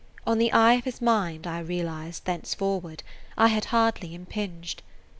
On the eye of his mind, I realized thenceforward, I had hardly impinged.